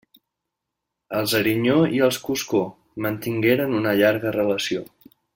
Els Arinyó i els Coscó mantingueren una llarga relació.